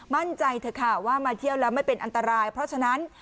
มั่นใจเถอะค่ะว่ามาเที่ยวแล้วไม่เป็นอันตรายเพราะฉะนั้น